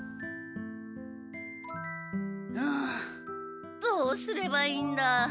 ああどうすればいいんだ。